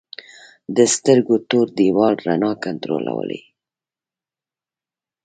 د سترګو تور دیوال رڼا کنټرولوي